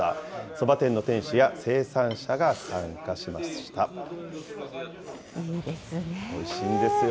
そば店の店主や生産者が参加しまいいですね。